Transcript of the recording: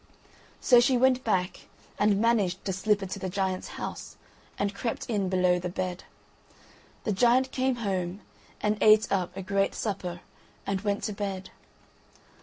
So she went back, and managed to slip into the giant's house, and crept in below the bed. The giant came home, and ate up a great supper, and went to bed.